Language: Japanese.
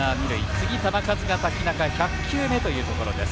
次、球数が瀧中１００球目というところです。